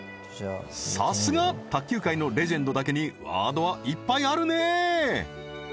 さすが卓球界のレジェンドだけにワードはいっぱいあるね